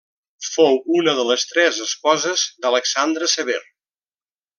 Fou una de les tres esposes d'Alexandre Sever.